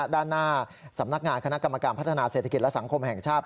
ด้านหน้าสำนักงานคณะกรรมการพัฒนาเศรษฐกิจและสังคมแห่งชาติ